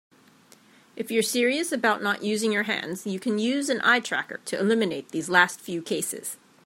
If you're serious about not using your hands, you can use an eye tracker to eliminate these last few cases.